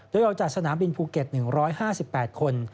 โดยออกจากสนามบินภูเก็ต๑๕๘คน